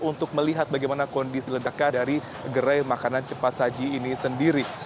untuk melihat bagaimana kondisi ledakan dari gerai makanan cepat saji ini sendiri